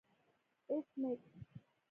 ایس میکس